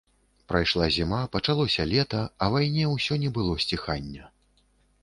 Прайшла зіма, пачалося лета, а вайне ўсё не было сціхання.